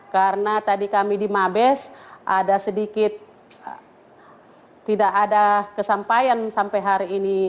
karena tadi kami di mabes tidak ada kesampaian sampai hari ini